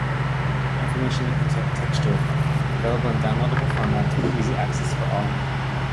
This information becomes "hyper textual", available in downloadable formats with easy access for all.